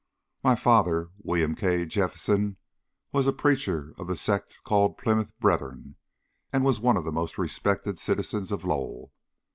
My father, William K. Jephson, was a preacher of the sect called Plymouth Brethren, and was one of the most respected citizens of Lowell.